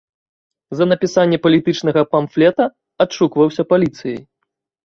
За напісанне палітычнага памфлета адшукваўся паліцыяй.